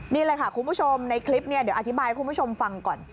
นี่แหละค่ะคุณผู้ชมในคลิปเนี่ยเดี๋ยวอธิบายให้คุณผู้ชมฟังก่อน